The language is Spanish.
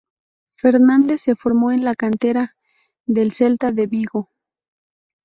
Fernández se formó en la cantera del Celta de Vigo.